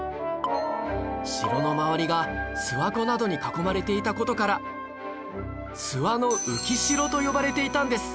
城の周りが諏訪湖などに囲まれていた事から諏訪の浮城と呼ばれていたんです